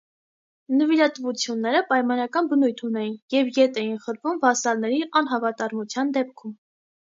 Նվիրատվությունները պայմանական բնույթ ունեին և ետ էին խլվում վասալների անհավատարմության դեպքում։